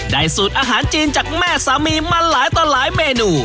สูตรอาหารจีนจากแม่สามีมาหลายต่อหลายเมนู